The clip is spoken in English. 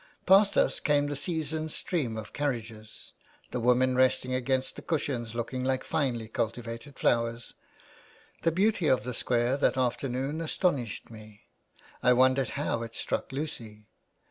Past us came the season's stream of carriages, the women resting against the cushions looking like finely cultivated flowers. The beauty of the Square that afternoon astonished me. I wondered how it struck Lucy.